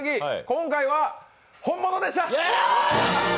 今回は本物でした！